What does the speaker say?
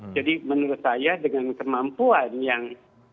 jadi menurut saya dengan kemampuan yang